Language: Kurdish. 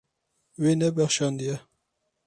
Wê nebexşandiye.